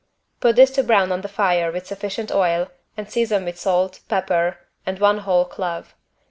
Put this to brown on the fire with sufficient oil and season with salt, pepper and one whole clove.